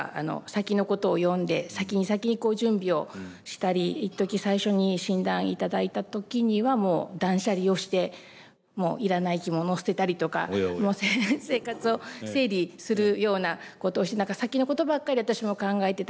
先のことを読んで先に先にこう準備をしたり一時最初に診断いただいた時にはもう断捨離をしてもう要らない着物捨てたりとか生活を整理するようなことをして先のことばっかり私も考えてたなあと。